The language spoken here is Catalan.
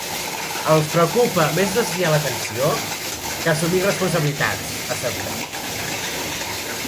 “Els preocupa més desviar l’atenció que assumir responsabilitats”, ha assegurat.